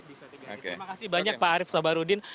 terima kasih banyak pak arief sabarudin